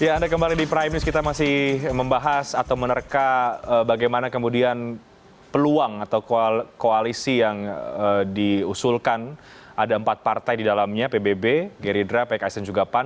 ya anda kembali di prime news kita masih membahas atau menerka bagaimana kemudian peluang atau koalisi yang diusulkan ada empat partai di dalamnya pbb gerindra pks dan juga pan